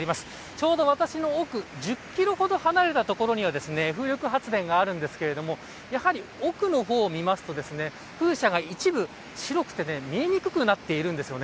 ちょうど、私の奥１０キロほど離れた所には風力発電があるんですけどやはり多くの方を見ると風車が一部白くて見えにくくなっているんです。